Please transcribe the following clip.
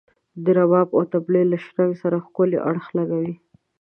د رباب او طبلي له شرنګ سره ښکلی اړخ لګولی.